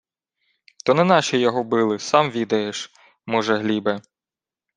— То не наші його вбили, сам відаєш, може Глібе.